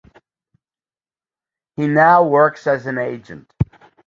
He now works as an agent.